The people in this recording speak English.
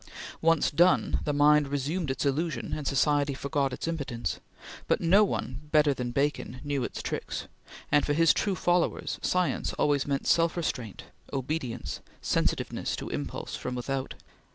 Once done, the mind resumed its illusion, and society forgot its impotence; but no one better than Bacon knew its tricks, and for his true followers science always meant self restraint, obedience, sensitiveness to impulse from without.